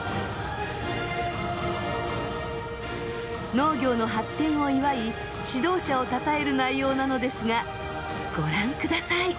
農業の発展を祝い指導者を称える内容なのですがご覧ください。